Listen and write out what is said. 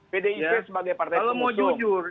kalau mau jujur